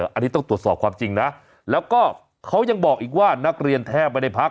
อันนี้ต้องตรวจสอบความจริงนะแล้วก็เขายังบอกอีกว่านักเรียนแทบไม่ได้พัก